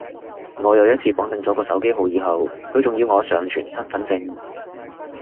我有一次綁定咗個手機號以後，佢仲要我上傳身份證